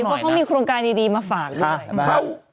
เพราะเขามีโครงการดีมาฝากด้วย